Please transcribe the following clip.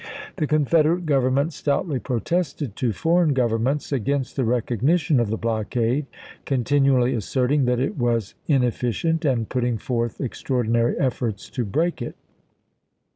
The Confederate Government stoutly protested to foreign governments against the recognition of the blockade, continually asserting that it was inef ficient, and putting forth extraordinary efforts to break it.